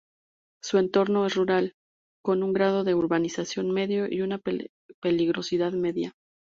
Su entorno es rural, con un grado de urbanización medio y una peligrosidad media.